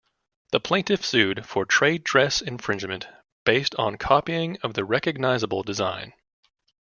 The plaintiff sued for trade dress infringement based on copying of the recognizable design.